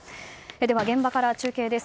では、現場から中継です。